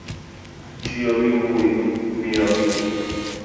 Tiyo gi mbui, miyo ng